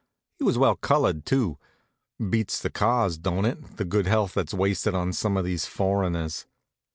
He was well colored, too. Beats the cars, don't it, the good health that's wasted on some of these foreigners?